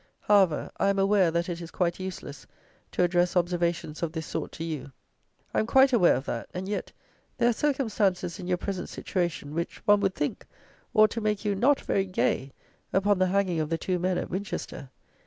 However, I am aware that it is quite useless to address observations of this sort to you. I am quite aware of that; and yet, there are circumstances, in your present situation, which, one would think, ought to make you not very gay upon the hanging of the two men at Winchester.